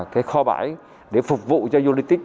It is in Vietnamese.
cái kho bãi để phục vụ cho logistics